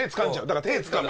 だから手つかむ。